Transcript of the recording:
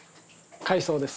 海藻です。